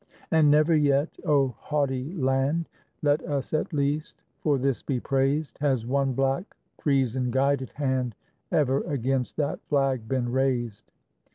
And never yet, O haughty Land, Let us, at least, for this be praised Has one black, treason guided hand Ever against that flag been raised.